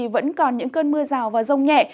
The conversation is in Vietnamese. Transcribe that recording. cũng còn những cơn mưa rào và rông nhẹ